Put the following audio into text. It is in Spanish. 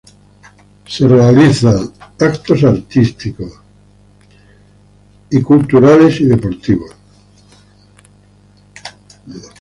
Se realizan eventos artísticos, taurinos, peleas de gallos, y eventos culturales y deportivos.